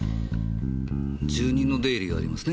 住人の出入りがありますね。